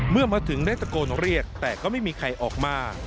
เมื่อมาถึงได้ตะโกนเรียกแต่ก็ไม่มีใครออกมา